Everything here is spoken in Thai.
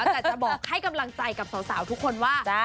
แต่จะบอกให้กำลังใจกับสาวทุกคนว่า